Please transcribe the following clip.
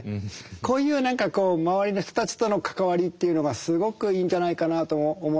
こういう何かこう周りの人たちとの関わりっていうのがすごくいいんじゃないかなと思って。